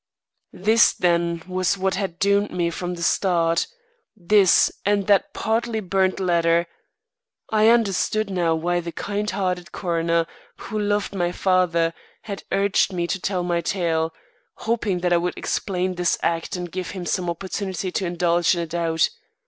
This, then, was what had doomed me from the start; this, and that partly burned letter. I understood now why the kind hearted coroner, who loved my father, had urged me to tell my tale, hoping that I would explain this act and give him some opportunity to indulge in a doubt.